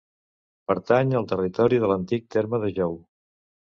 Pertany al territori de l'antic terme de Jou.